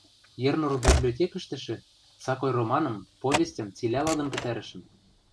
Ернур библиотекӹштӹшӹ сакой романым, повестьӹм цилӓ лыдын пӹтӓрӹшӹм.